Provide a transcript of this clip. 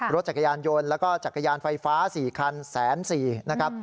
รถจักรยานยนต์แล้วก็จักรยานไฟฟ้า๔คัน๑๔๐๐นะครับ